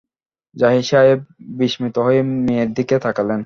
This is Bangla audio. জাহিদ সাহেব বিস্মিত হয়ে মেয়ের দিকে তাকালেন।